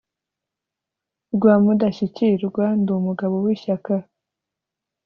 rwa mudashyikirwa ndi umugabo w’ishyaka